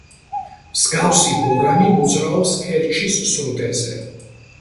მსგავსი ბორანი მოძრაობს ქერჩის სრუტეზე.